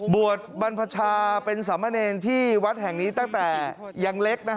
บวชบรรพชาเป็นสามเณรที่วัดแห่งนี้ตั้งแต่ยังเล็ก